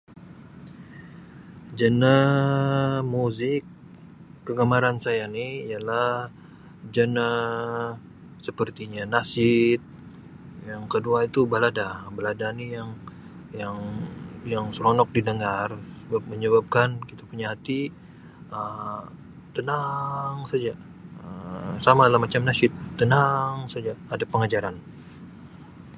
Gene muzik kegemaran saya ni ialah gene sepertinya nasyid yang kedua itu balada, balada ni yang yang yang seronok didengar sebab menyebakan kita punya hati Um tenang saja samalah macam nasyid tenang saja ada pengajaran.